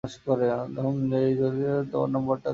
হুম, hey, চটজলদি তোমার বাবার নাম্বারটা দিতে পারো?